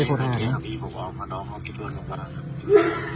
ไม่ไม่ไม่ไม่ไม่ไม่ไม่ไม่ไม่ไม่ไม่ไม่ไม่